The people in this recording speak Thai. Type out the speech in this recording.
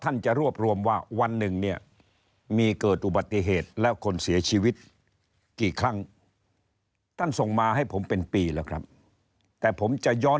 ท่านจะรวบรวมว่าวันหนึ่งนี้มีเกิดอุบัติเหตุและคนเสียชีวิตกี่ครั้งต้องมามาให้ผมเป็นปีละครับ